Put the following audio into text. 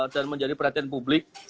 dan menjadi perhatian publik